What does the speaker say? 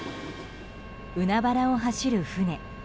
海原を走る船。